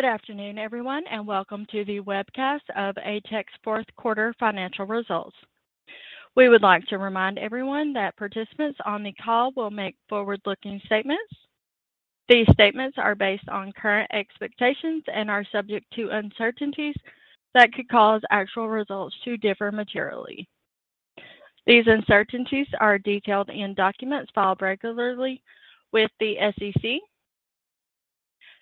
Good afternoon, everyone. Welcome to the webcast of ATEC's fourth quarter financial results. We would like to remind everyone that participants on the call will make forward-looking statements. These statements are based on current expectations and are subject to uncertainties that could cause actual results to differ materially. These uncertainties are detailed in documents filed regularly with the SEC.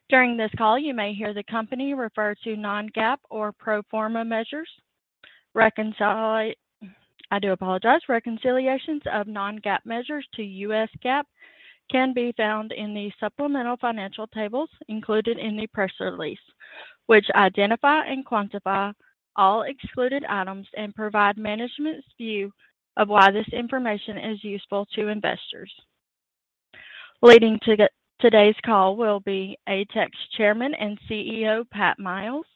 During this call, you may hear the company refer to non-GAAP or pro forma measures. I do apologize. Reconciliations of non-GAAP measures to U.S. GAAP can be found in the supplemental financial tables included in the press release, which identify and quantify all excluded items and provide management's view of why this information is useful to investors. Leading today's call will be ATEC's Chairman and CEO, Pat Miles,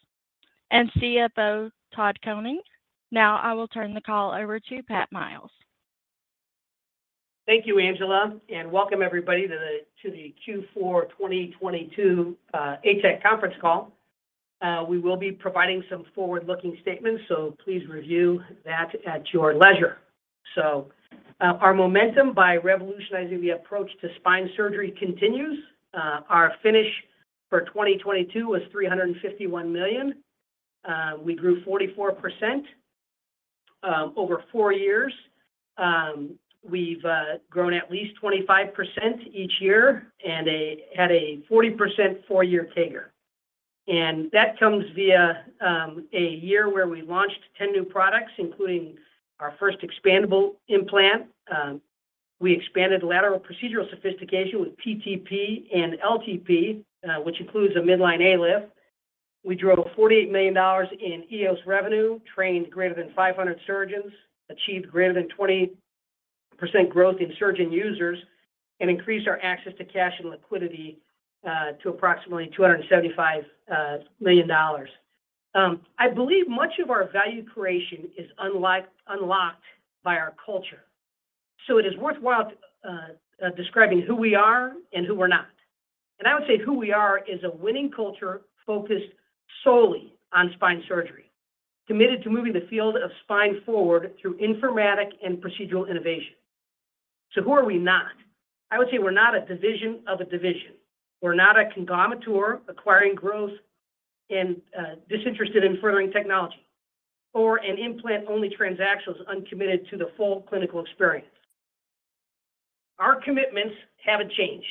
and CFO, Todd Koning. I will turn the call over to Pat Miles. Thank you, Angela, welcome everybody to the Q4 2022 ATEC conference call. We will be providing some forward-looking statements, please review that at your leisure. Our momentum by revolutionizing the approach to spine surgery continues. Our finish for 2022 was $351 million. We grew 44% over four years. We've grown at least 25% each year and had a 40% four-year CAGR. That comes via a year where we launched 10 new products, including our first expandable implant. We expanded lateral procedural sophistication with PTP and LTP, which includes a mid-line ALIF. We drove $48 million in EOS revenue, trained greater than 500 surgeons, achieved greater than 20% growth in surgeon users, and increased our access to cash and liquidity to approximately $275 million. I believe much of our value creation is unlocked by our culture. It is worthwhile describing who we are and who we're not. I would say who we are is a winning culture focused solely on spine surgery, committed to moving the field of spine forward through informatic and procedural innovation. Who are we not? I would say we're not a division of a division. We're not a conglomerateur or acquiring growth and disinterested in furthering technology or an implant-only transactional uncommitted to the full clinical experience. Our commitments haven't changed.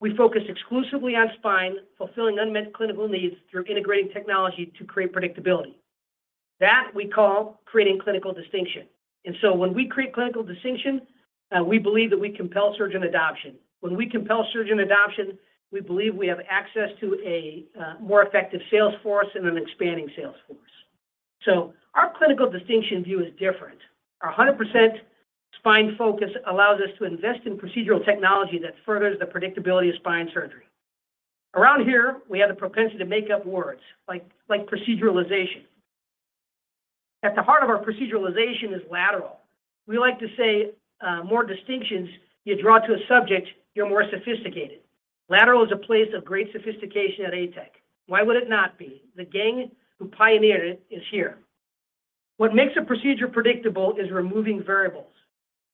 We focus exclusively on spine, fulfilling unmet clinical needs through integrating technology to create predictability. That we call creating clinical distinction. When we create clinical distinction, we believe that we compel surgeon adoption. When we compel surgeon adoption, we believe we have access to a more effective sales force and an expanding sales force. Our clinical distinction view is different. Our 100% spine focus allows us to invest in procedural technology that furthers the predictability of spine surgery. Around here, we have the propensity to make up words like proceduralization. At the heart of our proceduralization is lateral. We like to say, more distinctions you draw to a subject, you're more sophisticated. Lateral is a place of great sophistication at ATEC. Why would it not be? The gang who pioneered it is here. What makes a procedure predictable is removing variables.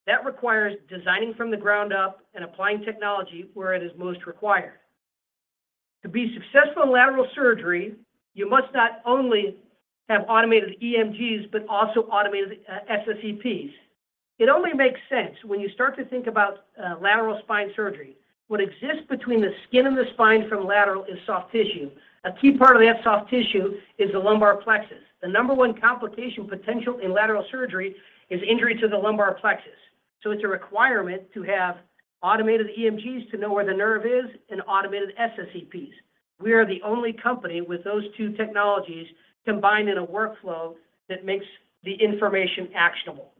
That requires designing from the ground up and applying technology where it is most required. To be successful in lateral surgery, you must not only have automated EMGs, but also automated SSEPs. It only makes sense when you start to think about lateral spine surgery. What exists between the skin and the spine from lateral is soft tissue. A key part of that soft tissue is the lumbar plexus. The number one complication potential in lateral surgery is injury to the lumbar plexus. It's a requirement to have automated EMGs to know where the nerve is and automated SSEPs. We are the only company with those two technologies combined in a workflow that makes the information actionable.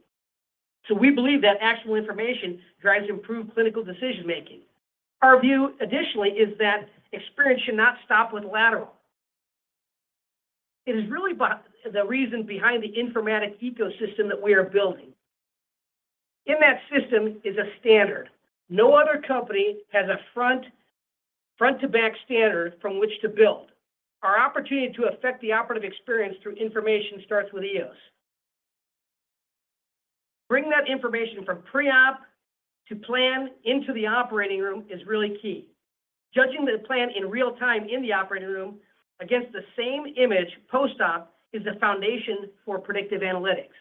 We believe that actionable information drives improved clinical decision-making. Our view, additionally, is that experience should not stop with lateral. It is really the reason behind the informatic ecosystem that we are building. In that system is a standard. No other company has a front-to-back standard from which to build. Our opportunity to affect the operative experience through information starts with EOS. Bring that information from pre-op to plan into the operating room is really key. Judging the plan in real-time in the operating room against the same image post-op is the foundation for predictive analytics.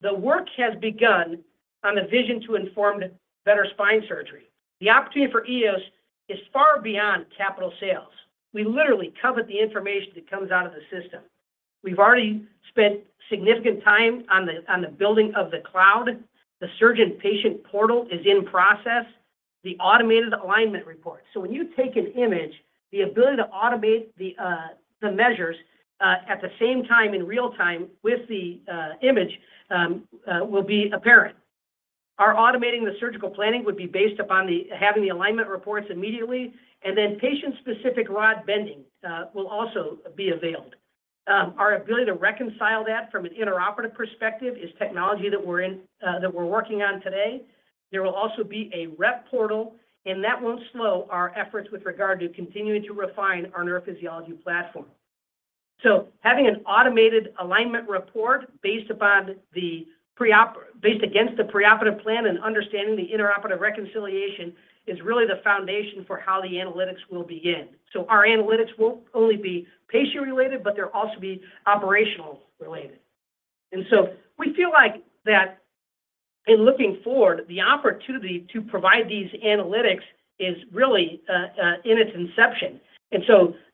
The work has begun on a vision to inform better spine surgery. The opportunity for EOS is far beyond capital sales. We literally covet the information that comes out of the system. We've already spent significant time on the building of the cloud. The surgeon-patient portal is in process, the automated alignment report. When you take an image, the ability to automate the measures at the same time in real-time with the image will be apparent. Automating the surgical planning would be based upon having the alignment reports immediately, and then patient-specific rod bending will also be availed. Our ability to reconcile that from an intraoperative perspective is technology that we're working on today. There will also be a rep portal, and that won't slow our efforts with regard to continuing to refine our neurophysiology platform. Having an automated alignment report based against the preoperative plan and understanding the intraoperative reconciliation is really the foundation for how the analytics will begin. Our analytics won't only be patient-related, but they'll also be operational-related. We feel like that in looking forward, the opportunity to provide these analytics is really in its inception.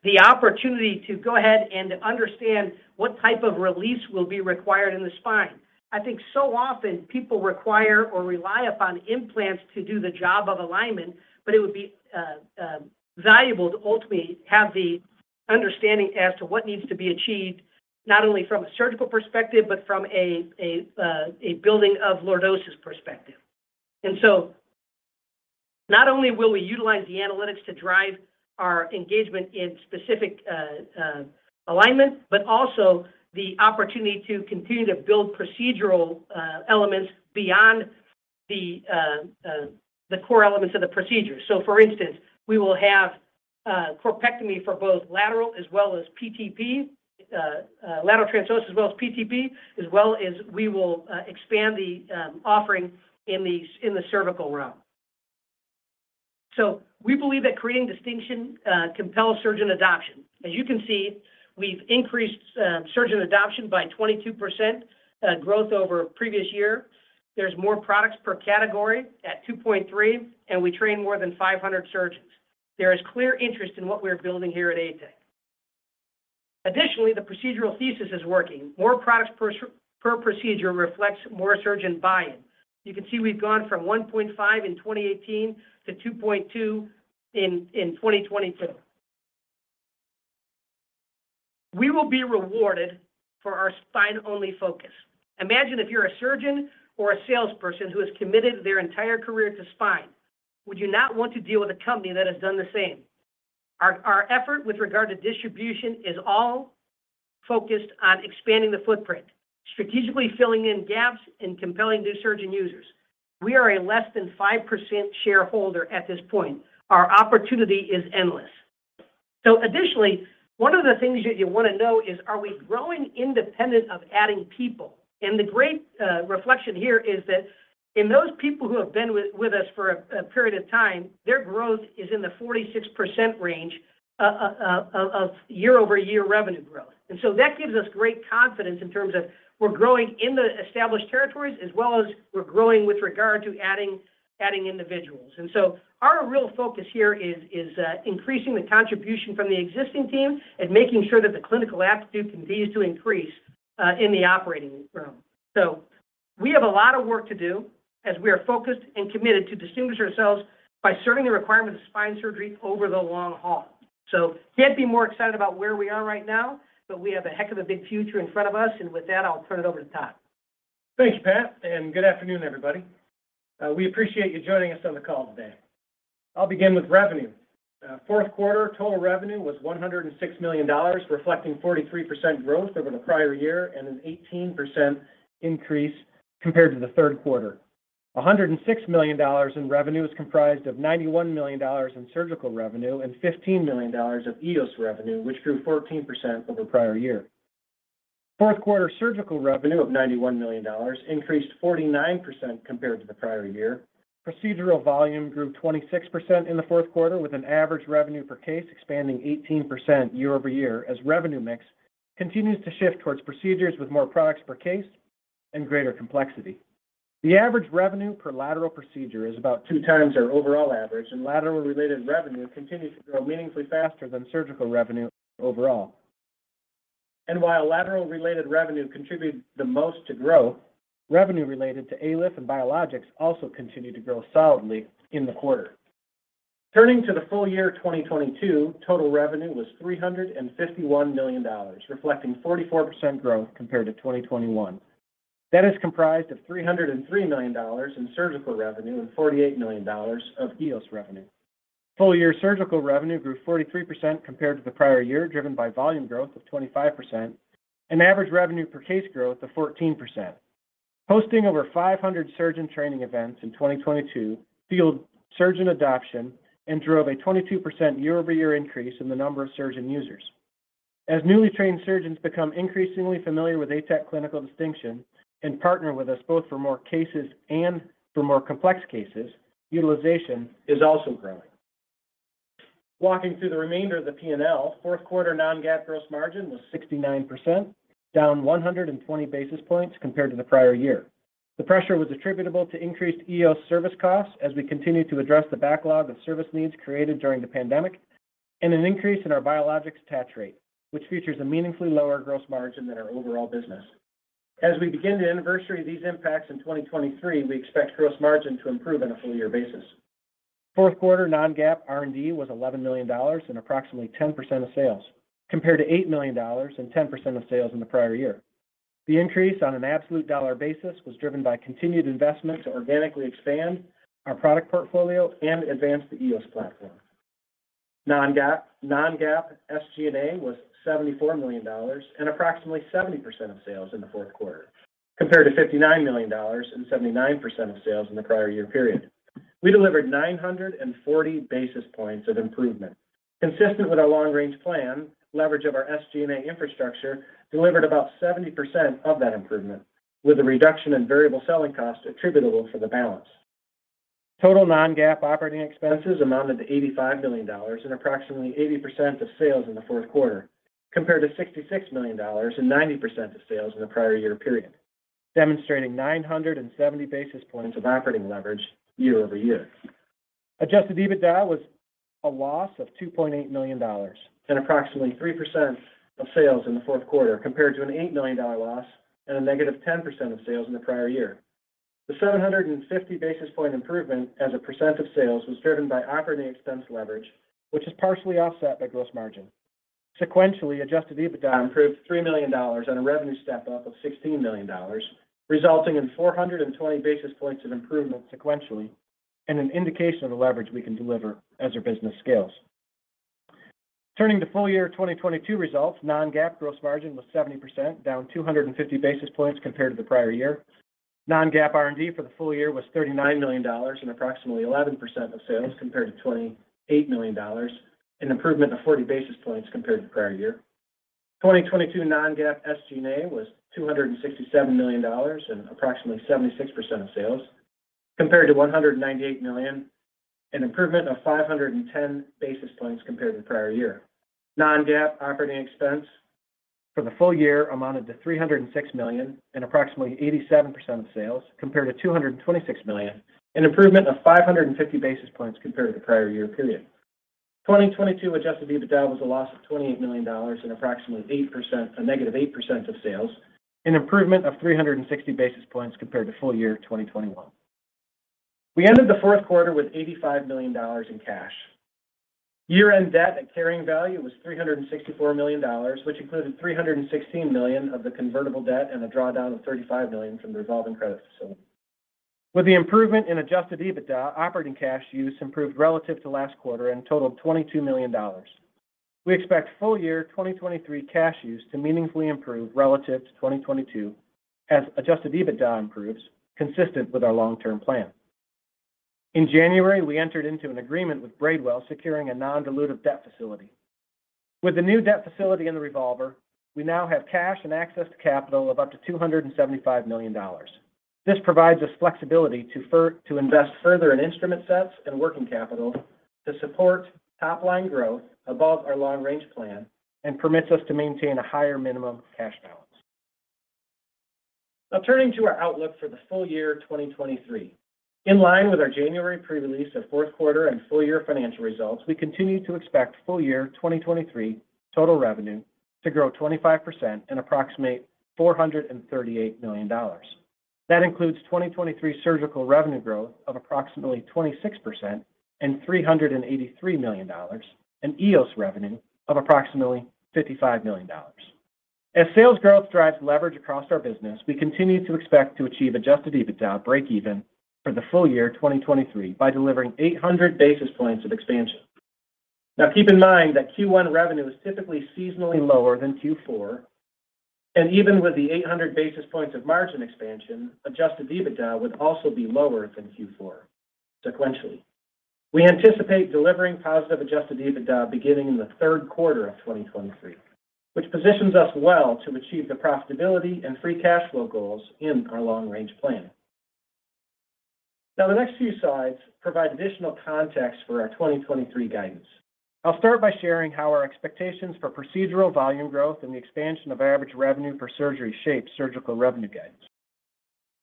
The opportunity to go ahead and understand what type of release will be required in the spine. I think so often people require or rely upon implants to do the job of alignment, but it would be valuable to ultimately have the understanding as to what needs to be achieved, not only from a surgical perspective, but from a building of lordosis perspective. Not only will we utilize the analytics to drive our engagement in specific alignment, but also the opportunity to continue to build procedural elements beyond the core elements of the procedure. For instance, we will have corpectomy for both lateral as well as PTP, lateral transpsoas as well as PTP, as well as we will expand the offering in the cervical realm. We believe that creating distinction compels surgeon adoption. As you can see, we've increased surgeon adoption by 22% growth over previous year. There's more products per category at 2.3, and we train more than 500 surgeons. There is clear interest in what we're building here at ATEC. Additionally, the procedural thesis is working. More products per procedure reflects more surgeon buy-in. You can see we've gone from 1.5 in 2018 to 2.2 in 2022. We will be rewarded for our spine-only focus. Imagine if you're a surgeon or a salesperson who has committed their entire career to spine. Would you not want to deal with a company that has done the same? Our effort with regard to distribution is all focused on expanding the footprint, strategically filling in gaps and compelling new surgeon users. We are a less than 5% shareholder at this point. Our opportunity is endless. Additionally, one of the things that you wanna know is, are we growing independent of adding people? The great reflection here is that in those people who have been with us for a period of time, their growth is in the 46% range of year-over-year revenue growth. That gives us great confidence in terms of we're growing in the established territories as well as we're growing with regard to adding individuals. Our real focus here is increasing the contribution from the existing team and making sure that the clinical aptitude continues to increase in the operating room. We have a lot of work to do as we are focused and committed to distinguish ourselves by serving the requirements of spine surgery over the long haul. Can't be more excited about where we are right now, but we have a heck of a big future in front of us. With that, I'll turn it over to Todd. Thank you, Pat. Good afternoon, everybody. We appreciate you joining us on the call today. I'll begin with revenue. Fourth quarter total revenue was $106 million, reflecting 43% growth over the prior year and an 18% increase compared to the third quarter. $106 million in revenue is comprised of $91 million in surgical revenue and $15 million of EOS revenue, which grew 14% over prior year. Fourth quarter surgical revenue of $91 million increased 49% compared to the prior year. Procedural volume grew 26% in the fourth quarter, with an average revenue per case expanding 18% year-over-year as revenue mix continues to shift towards procedures with more products per case and greater complexity. The average revenue per lateral procedure is about 2x our overall average, lateral-related revenue continues to grow meaningfully faster than surgical revenue overall. While lateral-related revenue contributed the most to growth, revenue related to ALIF and biologics also continued to grow solidly in the quarter. Turning to the full year 2022, total revenue was $351 million, reflecting 44% growth compared to 2021. That is comprised of $303 million in surgical revenue and $48 million of EOS revenue. Full year surgical revenue grew 43% compared to the prior year, driven by volume growth of 25% and average revenue per case growth of 14%. Hosting over 500 surgeon training events in 2022 fueled surgeon adoption and drove a 22% year-over-year increase in the number of surgeon users. As newly trained surgeons become increasingly familiar with ATEC clinical distinction and partner with us both for more cases and for more complex cases, utilization is also growing. Walking through the remainder of the P&L, fourth quarter non-GAAP gross margin was 69%, down 120 basis points compared to the prior year. The pressure was attributable to increased EOS service costs as we continue to address the backlog of service needs created during the pandemic and an increase in our biologics touch rate, which features a meaningfully lower gross margin than our overall business. As we begin to anniversary these impacts in 2023, we expect gross margin to improve on a full year basis. Fourth quarter non-GAAP R&D was $11 million and approximately 10% of sales, compared to $8 million and 10% of sales in the prior year. The increase on an absolute dollar basis was driven by continued investment to organically expand our product portfolio and advance the EOS platform. Non-GAAP SG&A was $74 million and approximately 70% of sales in the fourth quarter, compared to $59 million and 79% of sales in the prior year period. We delivered 940 basis points of improvement. Consistent with our long-range plan, leverage of our SG&A infrastructure delivered about 70% of that improvement, with a reduction in variable selling costs attributable for the balance. Total non-GAAP operating expenses amounted to $85 million and approximately 80% of sales in the fourth quarter, compared to $66 million and 90% of sales in the prior year period, demonstrating 970 basis points of operating leverage year-over-year. Adjusted EBITDA was a loss of $2.8 million and approximately 3% of sales in the fourth quarter, compared to an $8 million loss and a -10% of sales in the prior year. The 750 basis point improvement as a percent of sales was driven by operating expense leverage, which is partially offset by gross margin. Sequentially, Adjusted EBITDA improved $3 million on a revenue step-up of $16 million, resulting in 420 basis points of improvement sequentially and an indication of the leverage we can deliver as our business scales. Turning to full year 2022 results, non-GAAP gross margin was 70%, down 250 basis points compared to the prior year. Non-GAAP R&D for the full year was $39 million and approximately 11% of sales compared to $28 million, an improvement of 40 basis points compared to prior year. 2022 non-GAAP SG&A was $267 million and approximately 76% of sales compared to $198 million, an improvement of 510 basis points compared to prior year. Non-GAAP operating expense for the full year amounted to $306 million and approximately 87% of sales compared to $226 million, an improvement of 550 basis points compared to the prior year period. 2022 Adjusted EBITDA was a loss of $28 million and approximately 8% to -8% of sales, an improvement of 360 basis points compared to full year 2021. We ended the fourth quarter with $85 million in cash. Year-end debt at carrying value was $364 million, which included $316 million of the convertible debt and a drawdown of $35 million from the revolving credit facility. With the improvement in Adjusted EBITDA, operating cash use improved relative to last quarter and totaled $22 million. We expect full year 2023 cash use to meaningfully improve relative to 2022 as Adjusted EBITDA improves consistent with our long-term plan. In January, we entered into an agreement with Braidwell securing a non-dilutive debt facility. With the new debt facility in the revolver, we now have cash and access to capital of up to $275 million. This provides us flexibility to invest further in instrument sets and working capital to support top-line growth above our long-range plan and permits us to maintain a higher minimum cash balance. Now turning to our outlook for the full year 2023. In line with our January pre-release of fourth quarter and full year financial results, we continue to expect full year 2023 total revenue to grow 25% and approximate $438 million. That includes 2023 surgical revenue growth of approximately 26% and $383 million, and EOS revenue of approximately $55 million. As sales growth drives leverage across our business, we continue to expect to achieve Adjusted EBITDA breakeven for the full year 2023 by delivering 800 basis points of expansion. Keep in mind that Q1 revenue is typically seasonally lower than Q4, and even with the 800 basis points of margin expansion, Adjusted EBITDA would also be lower than Q4 sequentially. We anticipate delivering positive Adjusted EBITDA beginning in the third quarter of 2023, which positions us well to achieve the profitability and free cash flow goals in our long-range plan. The next few slides provide additional context for our 2023 guidance. I'll start by sharing how our expectations for procedural volume growth and the expansion of average revenue per surgery shape surgical revenue guidance.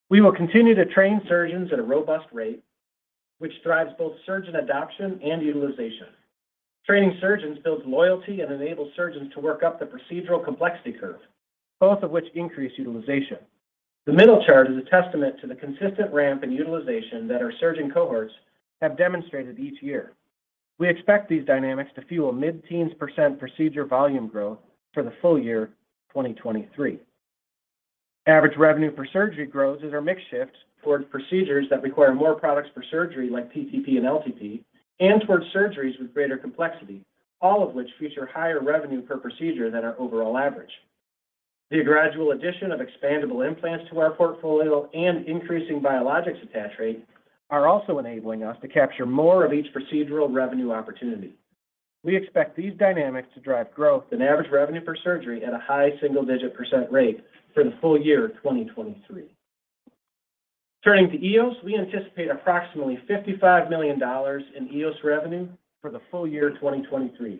We will continue to train surgeons at a robust rate, which drives both surgeon adoption and utilization. Training surgeons builds loyalty and enables surgeons to work up the procedural complexity curve, both of which increase utilization. The middle chart is a testament to the consistent ramp in utilization that our surgeon cohorts have demonstrated each year. We expect these dynamics to fuel mid-teens percent procedure volume growth for the full year 2023. Average revenue per surgery grows as our mix shifts towards procedures that require more products per surgery like PTP and LTP and towards surgeries with greater complexity, all of which feature higher revenue per procedure than our overall average. The gradual addition of expandable implants to our portfolio and increasing biologics attach rate are also enabling us to capture more of each procedural revenue opportunity. We expect these dynamics to drive growth in average revenue per surgery at a high single-digit percent rate for the full year 2023. Turning to EOS, we anticipate approximately $55 million in EOS revenue for the full year 2023,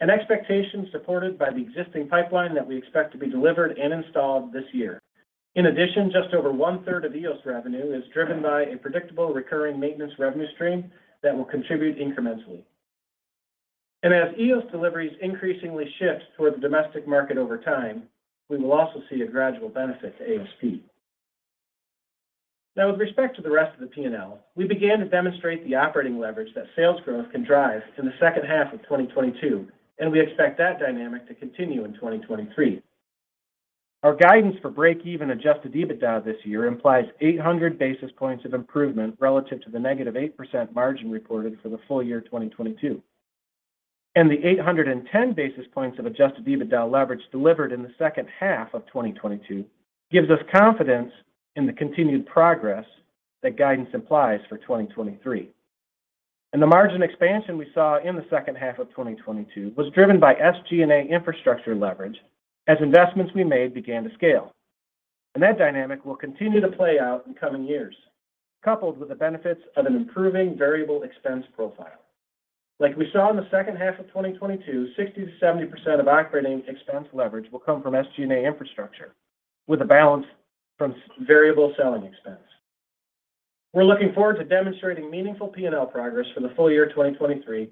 an expectation supported by the existing pipeline that we expect to be delivered and installed this year. In addition, just over 1/3 of EOS revenue is driven by a predictable recurring maintenance revenue stream that will contribute incrementally. As EOS deliveries increasingly shift towards the domestic market over time, we will also see a gradual benefit to ASP. With respect to the rest of the P&L, we began to demonstrate the operating leverage that sales growth can drive in the second half of 2022, we expect that dynamic to continue in 2023. Our guidance for breakeven Adjusted EBITDA this year implies 800 basis points of improvement relative to the -8% margin reported for the full year 2022. The 810 basis points of Adjusted EBITDA leverage delivered in the second half of 2022 gives us confidence in the continued progress that guidance implies for 2023. The margin expansion we saw in the second half of 2022 was driven by SG&A infrastructure leverage as investments we made began to scale. That dynamic will continue to play out in coming years, coupled with the benefits of an improving variable expense profile. Like we saw in the second half of 2022, 60%-70% of operating expense leverage will come from SG&A infrastructure with a balance from variable selling expense. We're looking forward to demonstrating meaningful P&L progress for the full year 2023,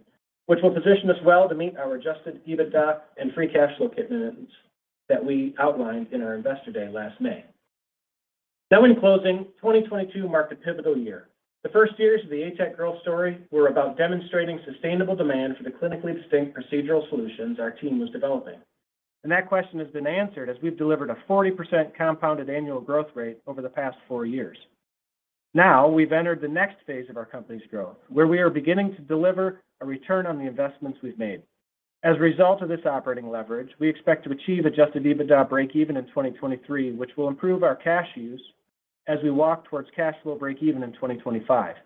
which will position us well to meet our Adjusted EBITDA and free cash flow commitments that we outlined in our Investor Day last May. In closing, 2022 marked a pivotal year. The first years of the ATEC growth story were about demonstrating sustainable demand for the clinically distinct procedural solutions our team was developing. That question has been answered as we've delivered a 40% compounded annual growth rate over the past four years. Now we've entered the next phase of our company's growth, where we are beginning to deliver a return on the investments we've made. As a result of this operating leverage, we expect to achieve Adjusted EBITDA breakeven in 2023, which will improve our cash use as we walk towards cash flow breakeven in 2025.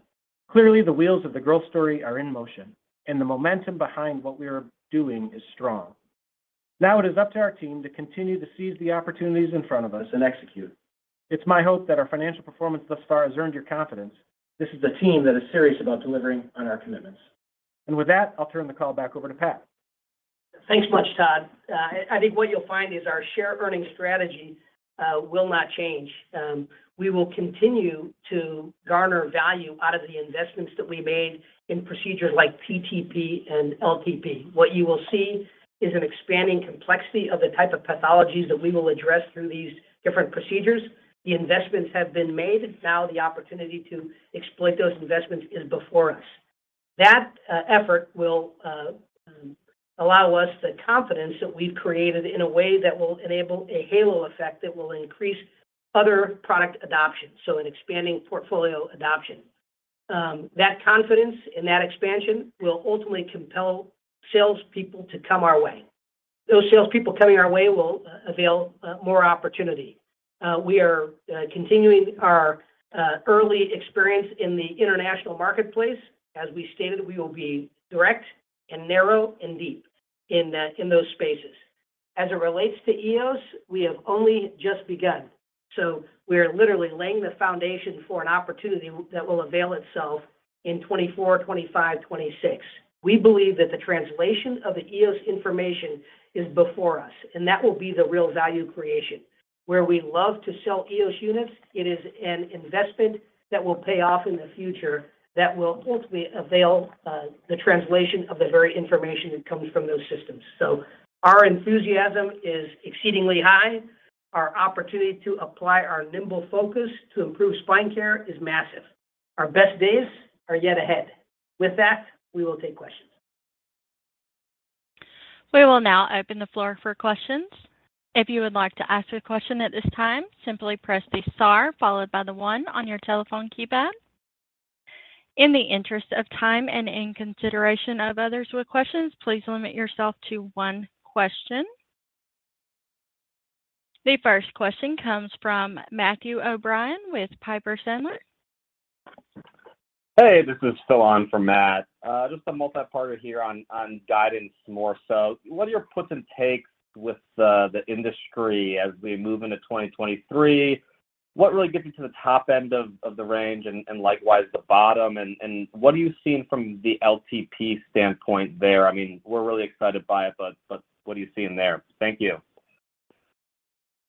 Clearly, the wheels of the growth story are in motion, and the momentum behind what we are doing is strong. Now it is up to our team to continue to seize the opportunities in front of us and execute. It's my hope that our financial performance thus far has earned your confidence. This is a team that is serious about delivering on our commitments. With that, I'll turn the call back over to Pat. Thanks much, Todd. I think what you'll find is our share earning strategy will not change. We will continue to garner value out of the investments that we made in procedures like PTP and LTP. What you will see is an expanding complexity of the type of pathologies that we will address through these different procedures. The investments have been made. The opportunity to exploit those investments is before us. Effort will allow us the confidence that we've created in a way that will enable a halo effect that will increase other product adoption, so an expanding portfolio adoption. Confidence and that expansion will ultimately compel salespeople to come our way. Those salespeople coming our way will avail more opportunity. We are continuing our early experience in the international marketplace. As we stated, we will be direct and narrow and deep in those spaces. As it relates to EOS, we have only just begun. We are literally laying the foundation for an opportunity that will avail itself in 2024, 2025, 2026. We believe that the translation of the EOS information is before us, that will be the real value creation. Where we love to sell EOS units, it is an investment that will pay off in the future that will ultimately avail the translation of the very information that comes from those systems. Our enthusiasm is exceedingly high. Our opportunity to apply our nimble focus to improve spine care is massive. Our best days are yet ahead. With that, we will take questions. We will now open the floor for questions. If you would like to ask a question at this time, simply press the star followed by the one on your telephone keypad. In the interest of time and in consideration of others with questions, please limit yourself to one question. The first question comes from Matthew O'Brien with Piper Sandler. Hey, this is Phil on for Matt. Just a multi-parter here on guidance more so. What are your puts and takes with the industry as we move into 2023? What really gets you to the top end of the range and likewise the bottom? What are you seeing from the LTP standpoint there? I mean, we're really excited by it, but what are you seeing there? Thank you.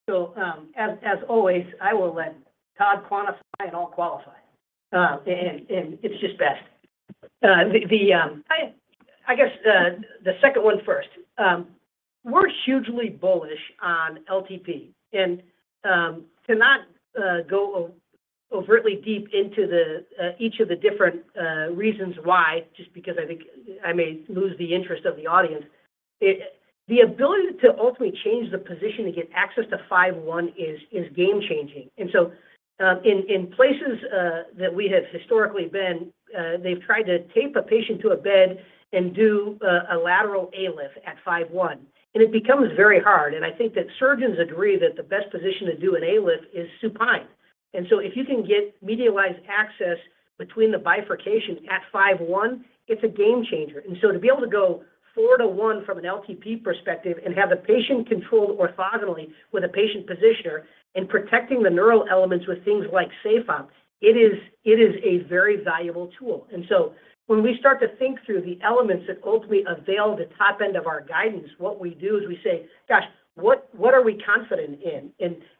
As, as always, I will let Todd quantify and I'll qualify. It's just best. The, the, I guess the second one first. We're hugely bullish on LTP. To not, go overtly deep into the, each of the different, reasons why, just because I think I may lose the interest of the audience, the ability to ultimately change the position to get access to L5-S1 is game changing. In, in places, that we have historically been, they've tried to tape a patient to a bed and do a lateral ALIF at L5-S1, and it becomes very hard. I think that surgeons agree that the best position to do an ALIF is supine. If you can get medialized access between the bifurcation at L5-S1, it's a game changer. To be able to go 4-to-1 from an LTP perspective and have the patient controlled orthogonally with a patient positioner and protecting the neural elements with things like SafeOp, it is a very valuable tool. When we start to think through the elements that ultimately avail the top end of our guidance, what we do is we say, "Gosh, what are we confident in?"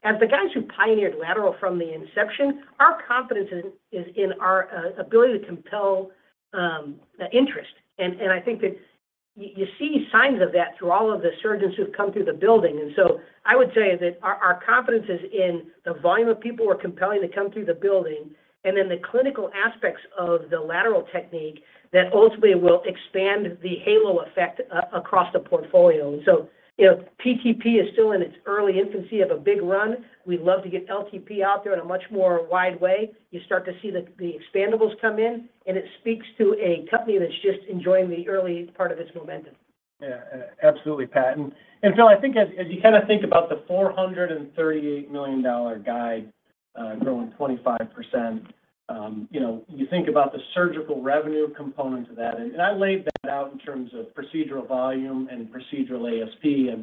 As the guys who pioneered lateral from the inception, our confidence is in our ability to compel interest. I think that you see signs of that through all of the surgeons who've come through the building. I would say that our confidence is in the volume of people we're compelling to come through the building and in the clinical aspects of the lateral technique that ultimately will expand the halo effect across the portfolio. You know, PTP is still in its early infancy of a big run. We'd love to get LTP out there in a much more wide way. You start to see the expandables come in, and it speaks to a company that's just enjoying the early part of its momentum. Yeah, absolutely, Pat. Phil, I think as you kinda think about the $438 million guide, growing 25%, you know, you think about the surgical revenue component to that. I laid that out in terms of procedural volume and procedural ASP.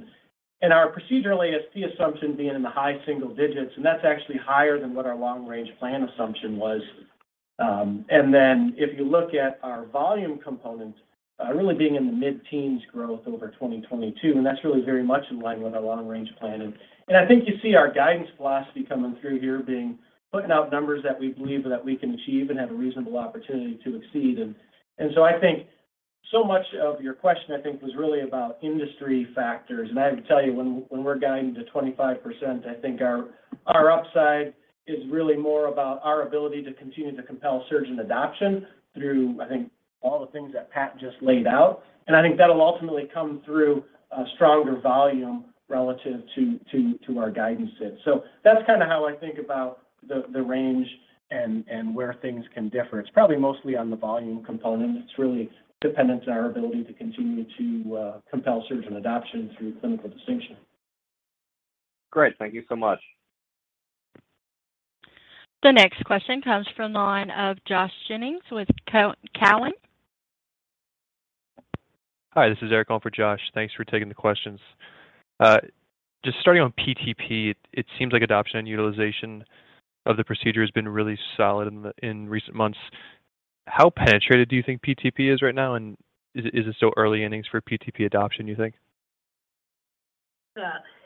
Our procedural ASP assumption being in the high single digits, and that's actually higher than what our long-range plan assumption was. Then if you look at our volume component, really being in the mid-teens growth over 2022, that's really very much in line with our long-range plan. I think you see our guidance philosophy coming through here being putting out numbers that we believe that we can achieve and have a reasonable opportunity to exceed. I think so much of your question, I think, was really about industry factors. I have to tell you, when we're guiding to 25%, I think our upside is really more about our ability to continue to compel surgeon adoption through, I think, all the things that Pat just laid out. I think that'll ultimately come through stronger volume relative to our guidances. That's kinda how I think about the range and where things can differ. It's probably mostly on the volume component. It's really dependent on our ability to continue to compel surgeon adoption through clinical distinction. Great. Thank you so much. The next question comes from the line of Josh Jennings with Cowen. Hi, this is Eric calling for Josh. Thanks for taking the questions. Just starting on PTP, it seems like adoption and utilization of the procedure has been really solid in recent months. How penetrated do you think PTP is right now, and is it still early innings for PTP adoption, you think?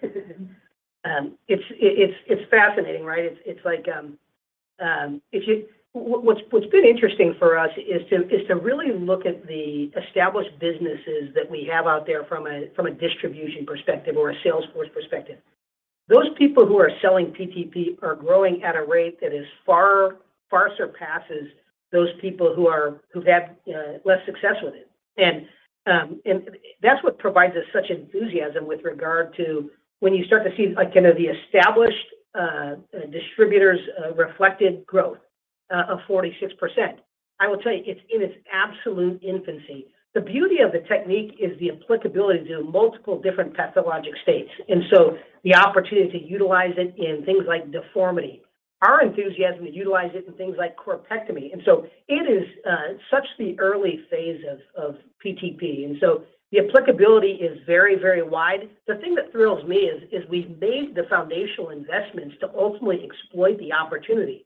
It's fascinating, right? It's like, what's been interesting for us is to really look at the established businesses that we have out there from a distribution perspective or a sales force perspective. Those people who are selling PTP are growing at a rate that is far surpasses those people who've had less success with it. That's what provides us such enthusiasm with regard to when you start to see, like, you know, the established distributors reflected growth of 46%. I will tell you, it's in its absolute infancy. The beauty of the technique is the applicability to multiple different pathologic states, the opportunity to utilize it in things like deformity. Our enthusiasm to utilize it in things like corpectomy. It is such the early phase of PTP. The applicability is very wide. The thing that thrills me is we've made the foundational investments to ultimately exploit the opportunity.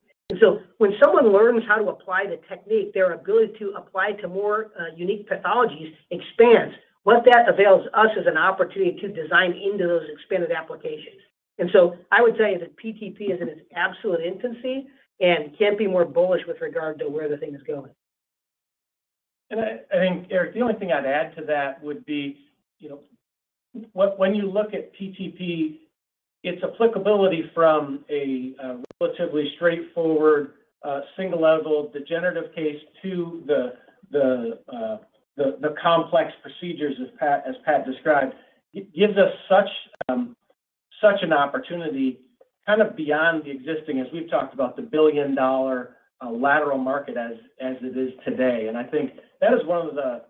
When someone learns how to apply the technique, their ability to apply to more unique pathologies expands. What that avails us is an opportunity to design into those expanded applications. I would tell you that PTP is in its absolute infancy and can't be more bullish with regard to where the thing is going. I think, Eric, the only thing I'd add to that would be, you know, when you look at PTP, its applicability from a relatively straightforward single-level degenerative case to the complex procedures as Pat described, it gives us such an opportunity kind of beyond the existing, as we've talked about, the billion-dollar lateral market as it is today. I think that is one of the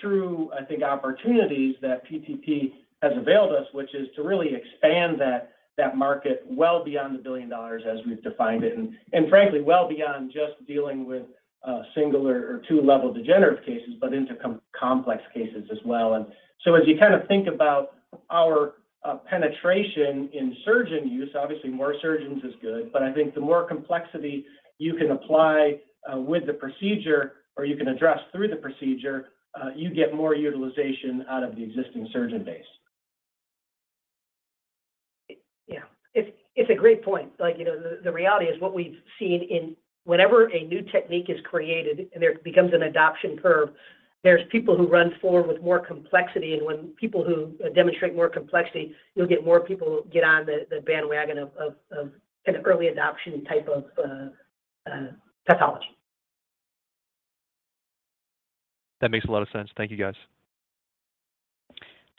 true, I think, opportunities that PTP has availed us, which is to really expand that market well beyond the $1 billion as we've defined it, and frankly, well beyond just dealing with single- or two-level degenerative cases, but into complex cases as well. As you kind of think about our penetration in surgeon use, obviously more surgeons is good, but I think the more complexity you can apply with the procedure or you can address through the procedure, you get more utilization out of the existing surgeon base. Yeah. It's, it's a great point. Like, you know, the reality is what we've seen in whenever a new technique is created and there becomes an adoption curve, there's people who run forward with more complexity. When people who demonstrate more complexity, you'll get more people get on the bandwagon of kind of early adoption type of pathology. That makes a lot of sense. Thank you, guys.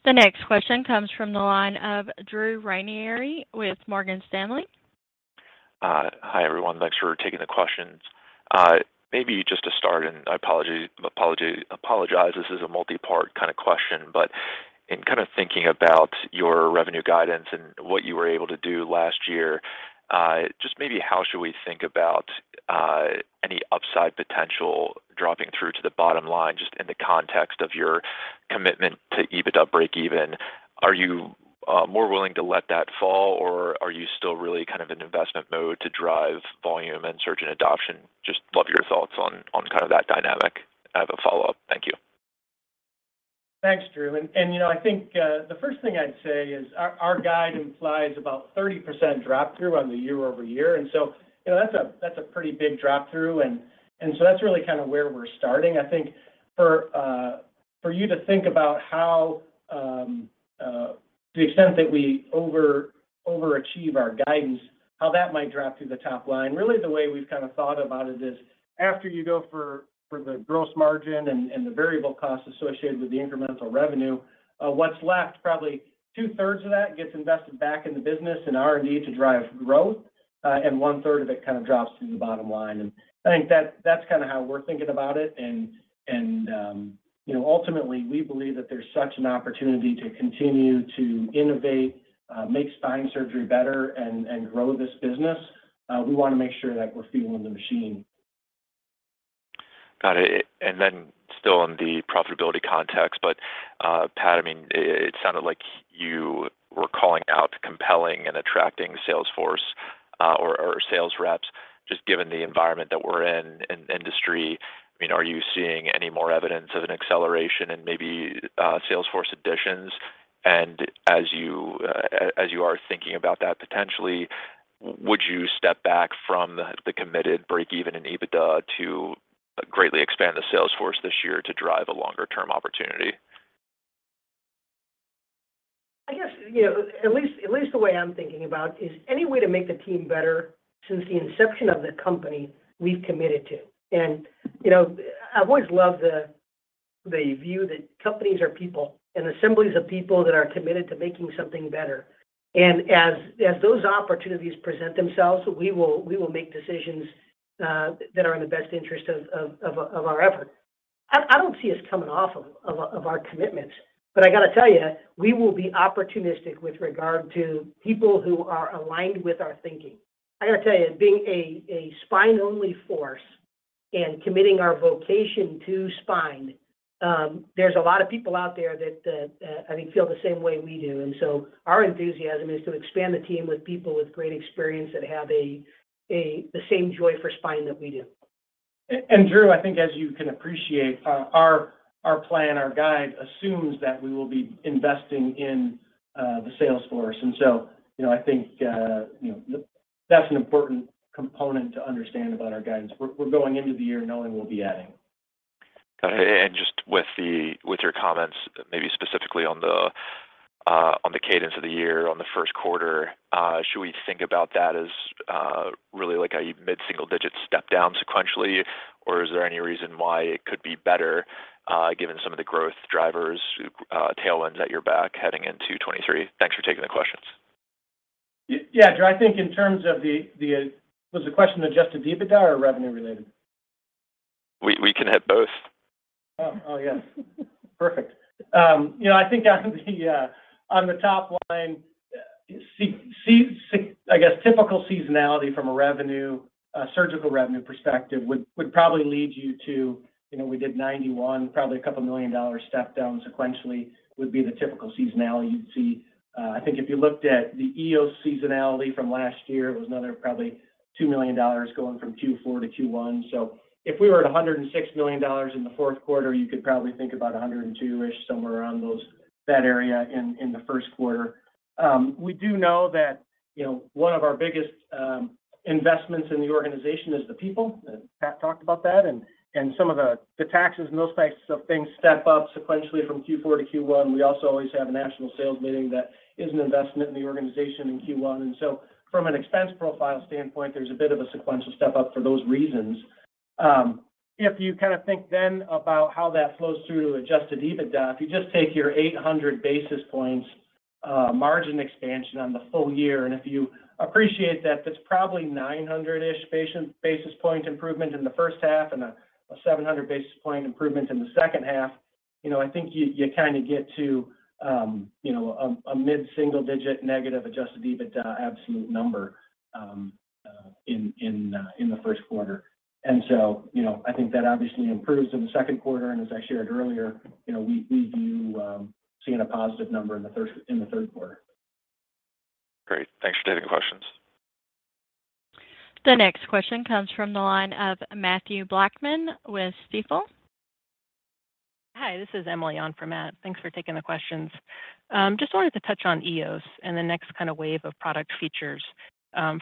The next question comes from the line of Drew Ranieri with Morgan Stanley. Hi, everyone. Thanks for taking the questions. Maybe just to start, and I apologize, this is a multi-part kind of question. In kind of thinking about your revenue guidance and what you were able to do last year, just maybe how should we think about any upside potential dropping through to the bottom line, just in the context of your commitment to EBITDA breakeven? Are you more willing to let that fall, or are you still really kind of in investment mode to drive volume and surgeon adoption? Just love your thoughts on kind of that dynamic. I have a follow-up. Thank you. Thanks, Drew. You know, I think the first thing I'd say is our guide implies about 30% drop-through on the year-over-year. You know, that's a pretty big drop-through. That's really kind of where we're starting. I think for you to think about how To the extent that we overachieve our guidance, how that might drop through the top line, really the way we've kind of thought about it is after you go for the gross margin and the variable costs associated with the incremental revenue, what's left, probably 2/3 of that gets invested back in the business and R&D to drive growth, and 1/3 of it kind of drops to the bottom line. I think that's kind of how we're thinking about it. You know, ultimately, we believe that there's such an opportunity to continue to innovate, make spine surgery better and grow this business. We wanna make sure that we're fueling the machine. Got it. Then still in the profitability context, but, Pat, I mean, it sounded like you were calling out compelling and attracting sales force, or sales reps, just given the environment that we're in industry. I mean, are you seeing any more evidence of an acceleration in maybe, sales force additions? As you are thinking about that potentially, would you step back from the committed breakeven in EBITDA to greatly expand the sales force this year to drive a longer term opportunity? I guess, you know, at least the way I'm thinking about is any way to make the team better since the inception of the company, we've committed to. You know, I've always loved the view that companies are people and assemblies of people that are committed to making something better. As those opportunities present themselves, we will make decisions that are in the best interest of our effort. I don't see us coming off of our commitments. I gotta tell you, we will be opportunistic with regard to people who are aligned with our thinking. I gotta tell you, being a spine-only force and committing our vocation to spine, there's a lot of people out there that I think feel the same way we do. Our enthusiasm is to expand the team with people with great experience that have the same joy for spine that we do. Drew, I think as you can appreciate, our plan, our guide assumes that we will be investing in the sales force. You know, I think, you know, that's an important component to understand about our guidance. We're going into the year knowing we'll be adding. Got it. Just with the, with your comments, maybe specifically on the, on the cadence of the year on the first quarter, should we think about that as, really like a mid-single digit step down sequentially, or is there any reason why it could be better, given some of the growth drivers, tailwinds at your back heading into 2023? Thanks for taking the questions. Yeah, Drew, I think in terms of the... Was the question Adjusted EBITDA or revenue related? We can hit both. Oh. Oh, yes. Perfect. You know, I think on the top line, I guess typical seasonality from a revenue, a surgical revenue perspective would probably lead you to, you know, we did 91, probably a couple million dollars step down sequentially would be the typical seasonality you'd see. I think if you looked at the EOS seasonality from last year, it was another probably $2 million going from Q4 to Q1. If we were at $106 million in the fourth quarter, you could probably think about $102-ish, somewhere around those, that area in the first quarter. We do know that, you know, one of our biggest investments in the organization is the people. Pat talked about that and some of the taxes and those types of things step up sequentially from Q4 to Q1. We also always have a national sales meeting that is an investment in the organization in Q1. From an expense profile standpoint, there's a bit of a sequential step up for those reasons. If you kind of think then about how that flows through to Adjusted EBITDA, if you just take your 800 basis points margin expansion on the full year, and if you appreciate that that's probably 900-ish basis point improvement in the first half and a 700 basis point improvement in the second half, you know, I think you kind of get to, you know, a mid-single digit negative Adjusted EBITDA absolute number in the first quarter. You know, I think that obviously improves in the second quarter, and as I shared earlier, you know, we do, see a positive number in the third quarter. Great. Thanks for taking the questions. The next question comes from the line of Mathew Blackman with Stifel. Hi, this is Emily on for Matt. Thanks for taking the questions. Just wanted to touch on EOS and the next kind of wave of product features.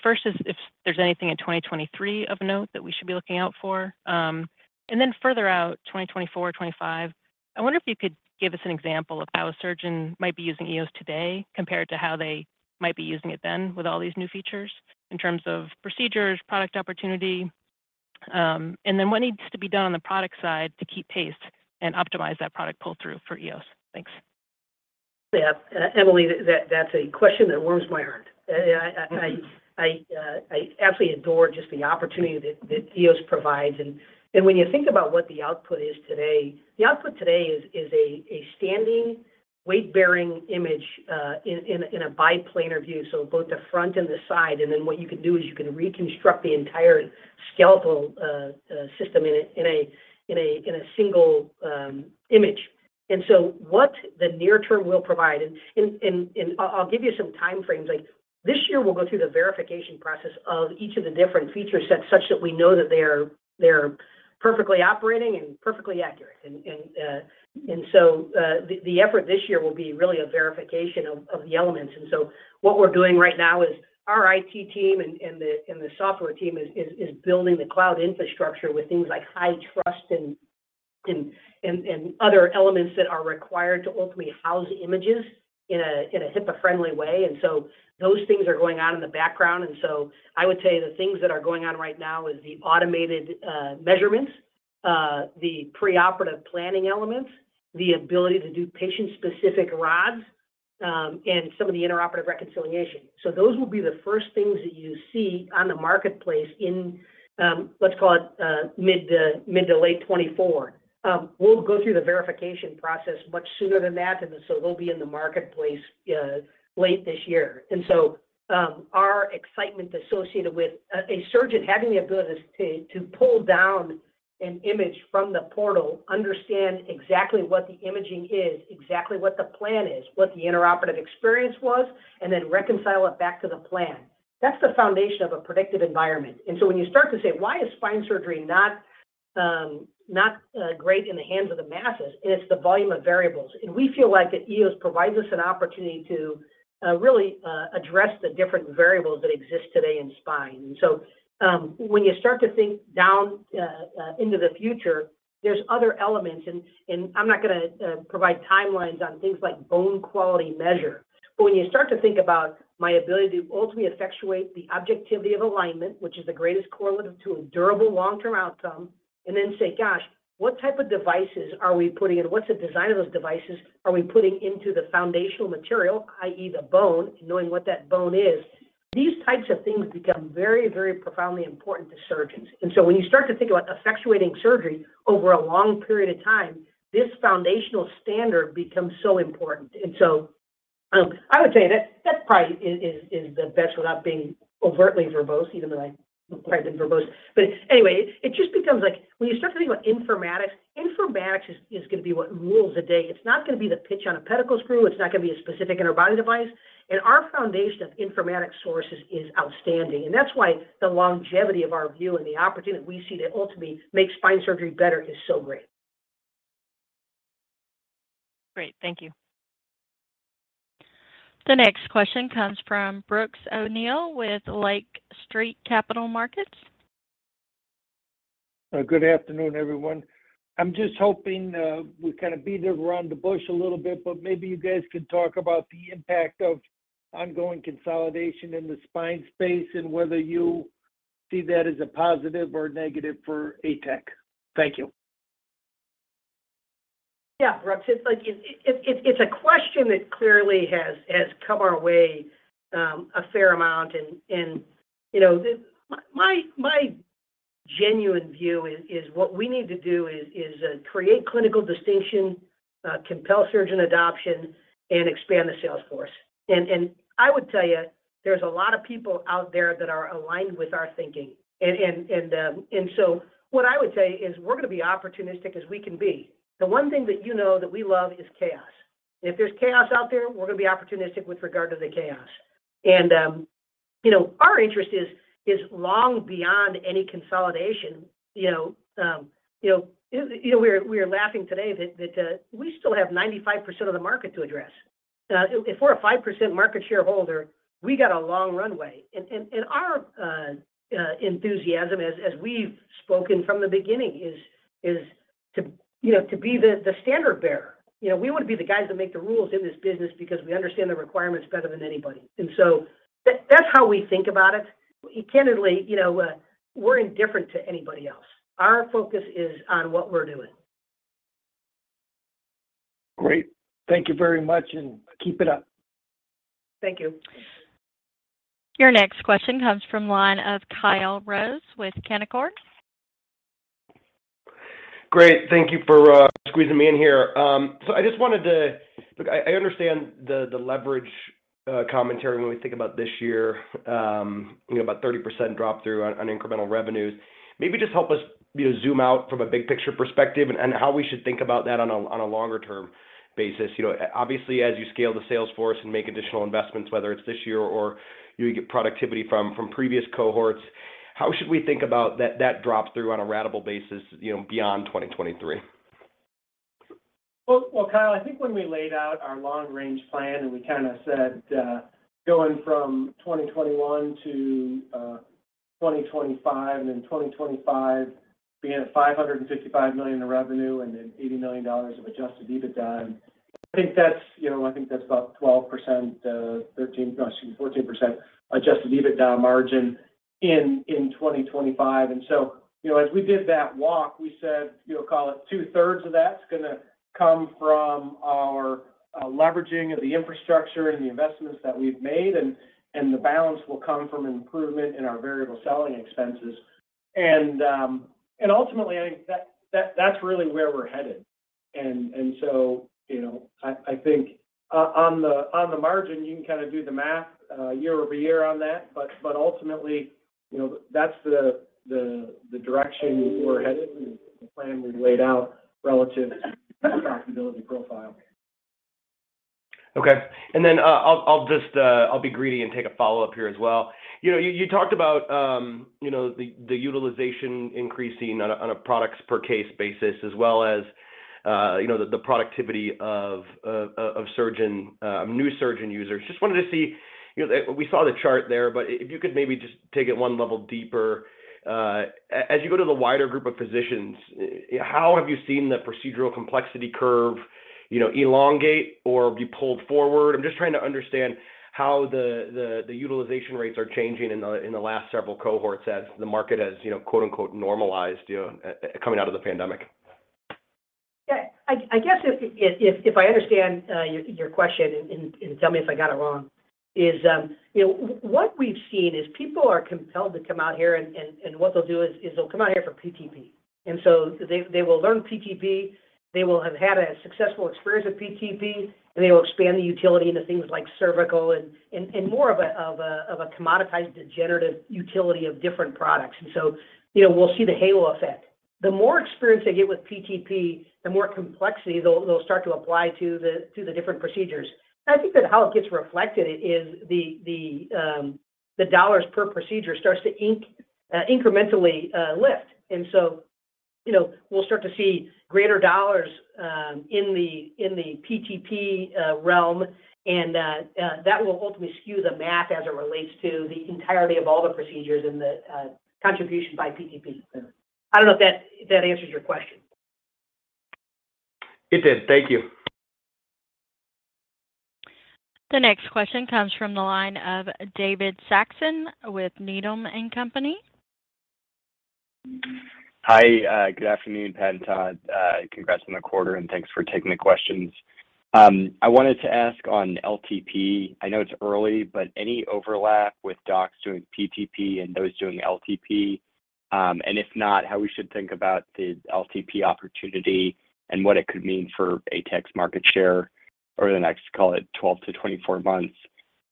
First is if there's anything in 2023 of note that we should be looking out for. Then further out, 2024, 2025, I wonder if you could give us an example of how a surgeon might be using EOS today compared to how they might be using it then with all these new features in terms of procedures, product opportunity. Then what needs to be done on the product side to keep pace and optimize that product pull-through for EOS? Thanks. Emily, that's a question that warms my heart. I absolutely adore just the opportunity that EOS provides. When you think about what the output is today, the output today is a standing weight-bearing image in a biplanar view, so both the front and the side. What you can do is you can reconstruct the entire skeletal system in a single image. What the near term will provide, and I'll give you some time frames. Like, this year we'll go through the verification process of each of the different feature sets such that we know that they are perfectly operating and perfectly accurate. The effort this year will be really a verification of the elements. What we're doing right now is our IT team and the software team is building the cloud infrastructure with things like HITRUST and other elements that are required to ultimately house images in a HIPAA-friendly way. Those things are going on in the background. I would say the things that are going on right now is the automated measurements, the preoperative planning elements, the ability to do patient-specific rods, and some of the intraoperative reconciliation. Those will be the first things that you see on the marketplace in, let's call it, mid-to-late 2024. We'll go through the verification process much sooner than that, and so they'll be in the marketplace, late this year. Our excitement associated with a surgeon having the ability to pull down an image from the portal, understand exactly what the imaging is, exactly what the plan is, what the intraoperative experience was, and then reconcile it back to the plan, that's the foundation of a predictive environment. When you start to say, "Why is spine surgery not, great in the hands of the masses?" It's the volume of variables. We feel like the EOS provides us an opportunity to, really, address the different variables that exist today in spine. When you start to think down into the future, there's other elements, and I'm not gonna provide timelines on things like bone quality measure. When you start to think about my ability to ultimately effectuate the objectivity of alignment, which is the greatest correlative to a durable long-term outcome, and then say, "Gosh, what type of devices are we putting in? What's the design of those devices are we putting into the foundational material, i.e., the bone, and knowing what that bone is?" These types of things become very profoundly important to surgeons. When you start to think about effectuating surgery over a long period of time, this foundational standard becomes so important. I would say that that probably is the best without being overtly verbose, even though I probably been verbose. Anyway, it just becomes like when you start to think about informatics is gonna be what rules the day. It's not gonna be the pitch on a pedicle screw. It's not gonna be a specific interbody device. Our foundation of informatics sources is outstanding. That's why the longevity of our view and the opportunity we see to ultimately make spine surgery better is so great. Great. Thank you. The next question comes from Brooks O'Neil with Lake Street Capital Markets. Good afternoon, everyone. I'm just hoping, we kinda beat around the bush a little bit, but maybe you guys can talk about the impact of ongoing consolidation in the spine space and whether you see that as a positive or a negative for ATEC. Thank you. Yeah, Brooks. It's like it's a question that clearly has come our way, a fair amount and, you know, My genuine view is what we need to do is create clinical distinction, compel surgeon adoption, and expand the sales force. I would tell you, there's a lot of people out there that are aligned with our thinking. What I would say is we're gonna be opportunistic as we can be. The one thing that you know that we love is chaos. If there's chaos out there, we're gonna be opportunistic with regard to the chaos. Our interest is long beyond any consolidation, you know, you know. You know, we're laughing today that we still have 95% of the market to address. If we're a 5% market shareholder, we got a long runway. Our enthusiasm as we've spoken from the beginning is to, you know, to be the standard bearer. You know, we wanna be the guys that make the rules in this business because we understand the requirements better than anybody. That's how we think about it. Candidly, you know, we're indifferent to anybody else. Our focus is on what we're doing. Great. Thank you very much, and keep it up. Thank you. Your next question comes from line of Kyle Rose with Canaccord. Great. Thank you for squeezing me in here. I just wanted to Look, I understand the leverage commentary when we think about this year, you know, about 30% drop-through on incremental revenues. Maybe just help us, you know, zoom out from a big picture perspective and how we should think about that on a, on a longer term basis. You know, obviously, as you scale the sales force and make additional investments, whether it's this year or you get productivity from previous cohorts, how should we think about that drop-through on a ratable basis, you know, beyond 2023? Well, Kyle, I think when we laid out our long-range plan and we kinda said, going from 2021-2025, then 2025 being at $555 million in revenue and then $80 million of Adjusted EBITDA, I think that's, you know, I think that's about 12%, 13% no, excuse me, 14% Adjusted EBITDA margin in 2025. So, you know, as we did that walk, we said, you know, call it 2/3 of that's gonna come from our leveraging of the infrastructure and the investments that we've made and the balance will come from an improvement in our variable selling expenses. Ultimately, I think that's really where we're headed. You know, I think on the, on the margin, you can kinda do the math year-over-year on that. Ultimately, you know, that's the direction we're headed and the plan we've laid out relative to profitability profile. Okay. I'll just be greedy and take a follow-up here as well. You know, you talked about, you know, the utilization increasing on a products per case basis as well as you know, the productivity of surgeon new surgeon users. Just wanted to see, you know, we saw the chart there, but if you could maybe just take it one level deeper. As you go to the wider group of physicians, how have you seen the procedural complexity curve, you know, elongate or be pulled forward? I'm just trying to understand how the utilization rates are changing in the last several cohorts as the market has, you know, quote unquote normalized, you know, coming out of the pandemic. Yeah. I guess if I understand your question, and tell me if I got it wrong, is, you know, what we've seen is people are compelled to come out here and what they'll do is they'll come out here for PTP. They will learn PTP, they will have had a successful experience with PTP, and they will expand the utility into things like cervical and more of a commoditized degenerative utility of different products. You know, we'll see the Halo Effect. The more experience they get with PTP, the more complexity they'll start to apply to the different procedures. I think that how it gets reflected is the dollars per procedure starts to incrementally lift. You know, we'll start to see greater dollars in the PTP realm. That will ultimately skew the math as it relates to the entirety of all the procedures and the contribution by PTP. I don't know if that, if that answers your question. It did. Thank you. The next question comes from the line of David Saxon with Needham & Company. Hi. Good afternoon, Pat and Todd. Congrats on the quarter, and thanks for taking the questions. I wanted to ask on LTP. I know it's early, but any overlap with docs doing PTP and those doing LTP? If not, how we should think about the LTP opportunity and what it could mean for ATEC's market share over the next, call it, 12-24 months?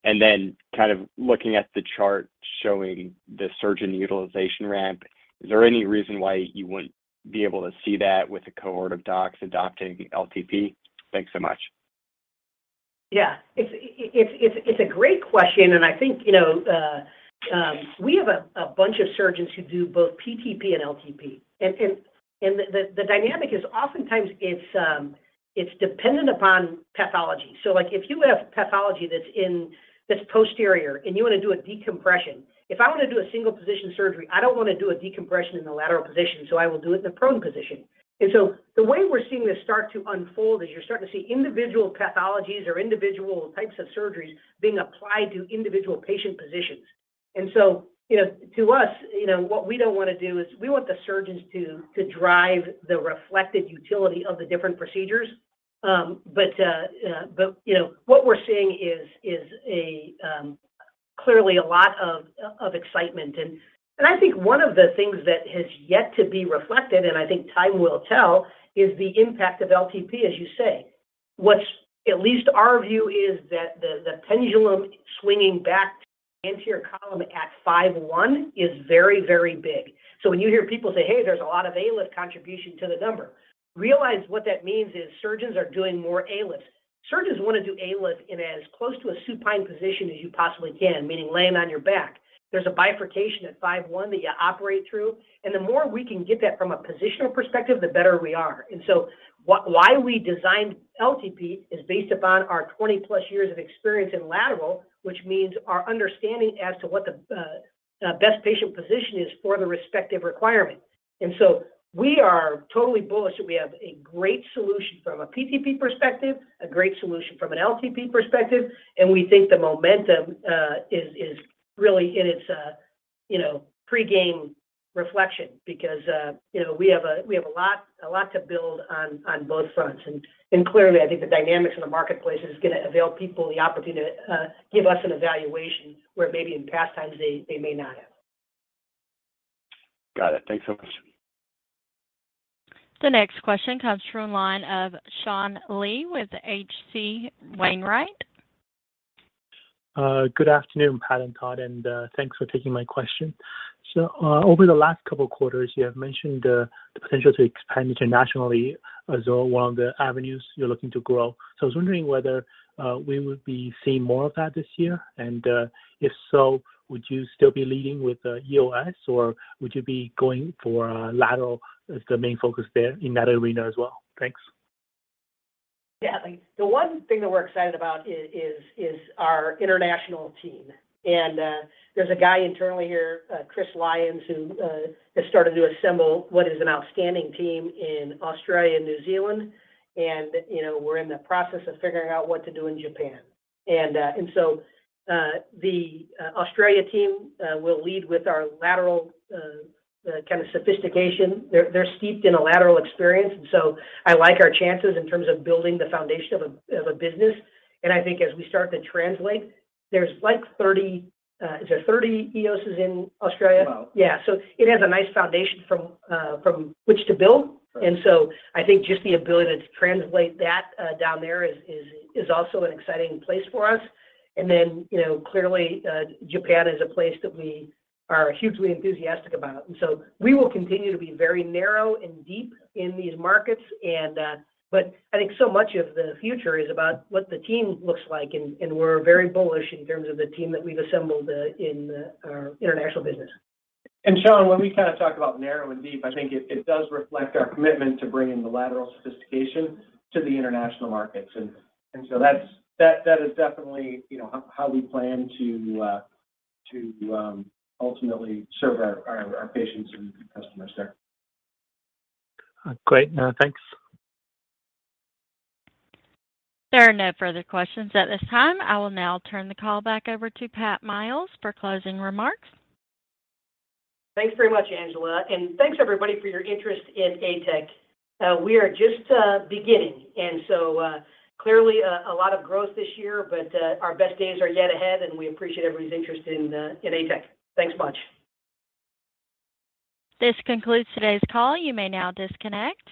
Kind of looking at the chart showing the surgeon utilization ramp, is there any reason why you wouldn't be able to see that with a cohort of docs adopting LTP? Thanks so much. Yeah. It's a great question. I think, you know, we have a bunch of surgeons who do both PTP and LTP. The dynamic is oftentimes it's dependent upon pathology. Like, if you have pathology that's in this posterior and you want to do a decompression, if I want to do a single-position surgery, I don't want to do a decompression in the lateral position, so I will do it in the prone position. The way we're seeing this start to unfold is you're starting to see individual pathologies or individual types of surgeries being applied to individual patient positions. You know, to us, you know, what we don't want to do is we want the surgeons to drive the reflected utility of the different procedures. You know, what we're seeing is a clearly a lot of excitement. I think one of the things that has yet to be reflected, and I think time will tell, is the impact of LTP, as you say. What's at least our view is that the pendulum swinging back into your column at L5-S1 is very big. When you hear people say, "Hey, there's a lot of ALIF contribution to the number," realize what that means is surgeons are doing more ALIFs. Surgeons want to do ALIF in as close to a supine position as you possibly can, meaning laying on your back. There's a bifurcation at L5-S1 that you operate through. The more we can get that from a positional perspective, the better we are. Why we designed LTP is based upon our 20+ years of experience in lateral, which means our understanding as to what the best patient position is for the respective requirement. We are totally bullish that we have a great solution from a PTP perspective, a great solution from an LTP perspective. We think the momentum is really in its, you know, pre-game reflection because, you know, we have a lot to build on on both fronts. Clearly, I think the dynamics in the marketplace is going to avail people the opportunity to give us an evaluation where maybe in past times they may not have. Got it. Thanks so much. The next question comes from the line of Sean Lee with H.C. Wainwright. Good afternoon, Pat and Todd, and thanks for taking my question. Over the last couple of quarters, you have mentioned the potential to expand internationally as one of the avenues you're looking to grow. I was wondering whether we would be seeing more of that this year. If so, would you still be leading with EOS or would you be going for lateral as the main focus there in that arena as well? Thanks. Yeah. The one thing that we're excited about is our international team. There's a guy internally here, Chris Lyons, who has started to assemble what is an outstanding team in Australia and New Zealand. You know, we're in the process of figuring out what to do in Japan. The Australia team will lead with our lateral kind of sophistication. They're steeped in a lateral experience, I like our chances in terms of building the foundation of a business. I think as we start to translate, there's like 30, is there 30 EOSs in Australia? About. Yeah. It has a nice foundation from which to build. Right. I think just the ability to translate that down there is also an exciting place for us. Then, you know, clearly, Japan is a place that we are hugely enthusiastic about. We will continue to be very narrow and deep in these markets. I think so much of the future is about what the team looks like, and we're very bullish in terms of the team that we've assembled in our international business. Sean, when we kind of talk about narrow and deep, I think it does reflect our commitment to bringing the lateral sophistication to the international markets. That's, that is definitely, you know, how we plan to ultimately serve our patients and customers there. Great. Thanks. There are no further questions at this time. I will now turn the call back over to Pat Miles for closing remarks. Thanks very much, Angela. Thanks everybody for your interest in ATEC. We are just beginning and so clearly, a lot of growth this year, but our best days are yet ahead, and we appreciate everybody's interest in ATEC. Thanks much. This concludes today's call. You may now disconnect.